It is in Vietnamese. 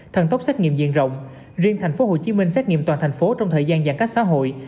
thần tốc xét nghiệm diện rộng riêng tp hcm xét nghiệm toàn thành phố trong thời gian giãn cách xã hội